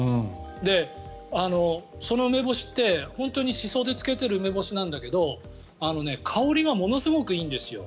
その梅干しって本当にシソでつけてる梅干しなんだけど香りがものすごくいいんですよ。